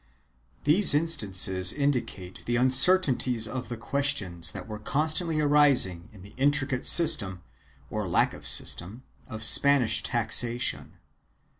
1 These instances indicate the uncertainties of the questions that were constantly arising in the intricate system — or lack of system — of Spanish taxation.